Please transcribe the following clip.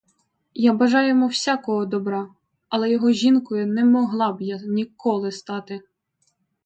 Я бажаю йому всякого добра, але його жінкою не могла б я ніколи стати.